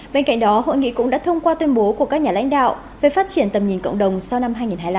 bên cạnh đó hội nghị cũng đã thông qua tuyên bố của các nhà lãnh đạo về phát triển tầm nhìn cộng đồng sau năm hai nghìn hai mươi năm